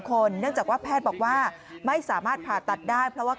เนื่องจากว่าแพทย์บอกว่าไม่สามารถผ่าตัดได้เพราะว่า